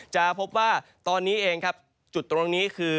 จะพบว่าตอนนี้เองครับจุดตรงนี้คือ